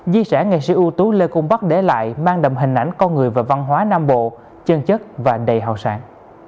di sẻ nghệ sĩ ưu tú lê cung bắc đế lại mang đầm hình ảnh con người và văn hóa nam bộ chân chất và đầy hào sản